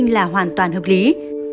là hoàn toàn hợp lý